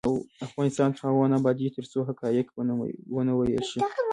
افغانستان تر هغو نه ابادیږي، ترڅو حقایق ونه ویل شي.